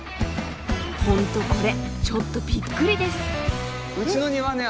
本当これちょっとびっくりです。